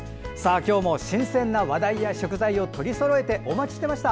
今日も新鮮な話題や食材を取りそろえてお待ちしていました。